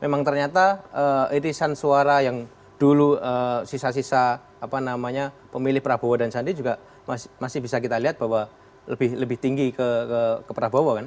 memang ternyata irisan suara yang dulu sisa sisa pemilih prabowo dan sandi juga masih bisa kita lihat bahwa lebih tinggi ke prabowo kan